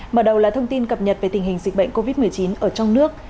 mở đầu là thông tin cập nhật về tình hình dịch bệnh covid một mươi chín ở trong nước